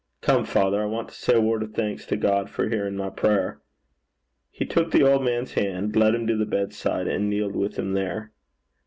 Come, father, I want to say a word o' thanks to God, for hearin' my prayer.' He took the old man's hand, led him to the bedside, and kneeled with him there.